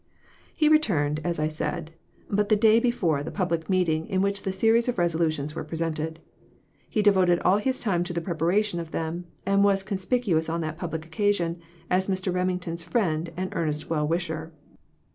He returned, as I said, but the day before the public meeting in which the series of resolutions were presented. He devoted all his time to the preparation of them, and was conspicuous on that public occasion, as Mr. Remington's friend and earnest well wisher.